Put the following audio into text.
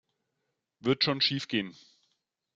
Wird schon schiefgehen.